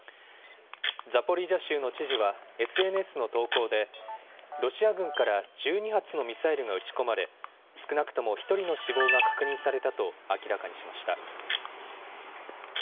ザポリージャ州の知事はＳＮＳの投稿で、ロシア軍から１２発のミサイルが撃ち込まれ、少なくとも１人の死亡が確認されたと明らかにしました。